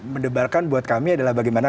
mendebarkan buat kami adalah bagaimana